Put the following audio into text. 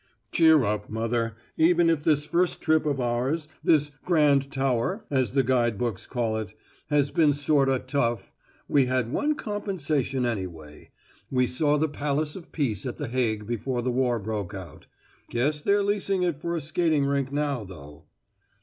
"Cheer up, mother. Even if this first trip of ours this 'Grand Tower,' as the guide books call it has been sorta tough, we had one compensation anyway. We saw the Palace of Peace at the Hague before the war broke out. Guess they're leasing it for a skating rink now, though."